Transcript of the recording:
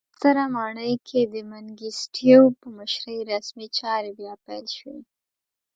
په ستره ماڼۍ کې د منګیسټیو په مشرۍ رسمي چارې بیا پیل شوې.